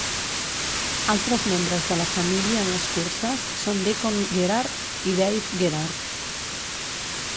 Altres membres de la família en les curses són Deacon Gerhart i Dave Gerhart.